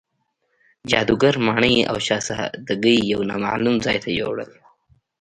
جادوګر ماڼۍ او شهزادګۍ یو نامعلوم ځای ته یووړل.